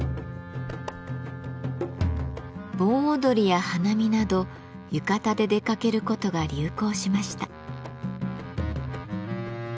盆踊りや花見など浴衣で出かけることが流行しました。